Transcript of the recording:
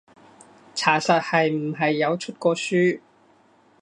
查實係唔係有出過書？